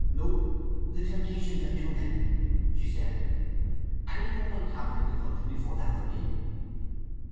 "No—the temptations are too many," she said. "Any humble tavern in the country before that for me."